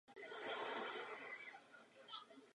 Dovolte mi učinit dvě obecné poznámky.